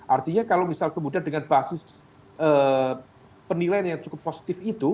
artinya kalau misal kemudian dengan basis penilaian yang cukup positif itu